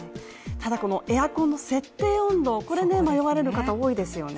ただエアコンの設定温度、悩まれる方多いですよね。